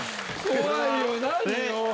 ⁉怖いよ何よ